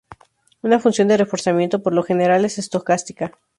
Una función de reforzamiento por lo general es estocástica.